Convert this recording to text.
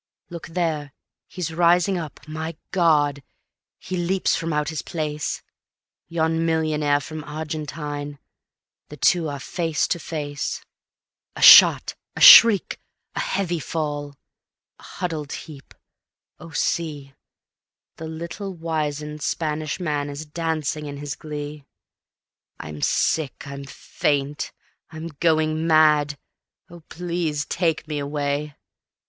Look there ... he's rising up ... my God! He leaps from out his place ... Yon millionaire from Argentine ... the two are face to face ... A shot! A shriek! A heavy fall! A huddled heap! Oh, see The little wizened Spanish man is dancing in his glee. ... I'm sick ... I'm faint ... I'm going mad. ... Oh, please take me away